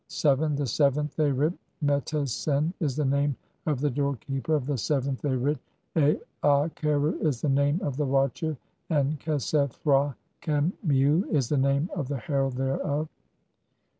VII. "THE SEVENTH ARIT. Metes sen is the name of the door "keeper of the seventh Arit, Aaa kheru is the name of the watcher, "and Khesef hra khemiu is the name of the herald thereof."